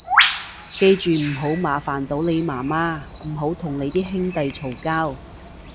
記住唔好麻煩到你媽媽，唔好同你啲兄弟嘈交